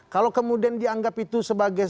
kalau kemudian dianggap itu sebagai